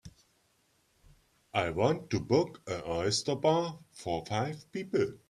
I want to book an oyster bar for five people.